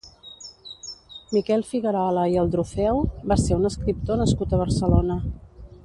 Miquel Figuerola i Aldrofeu va ser un escriptor nascut a Barcelona.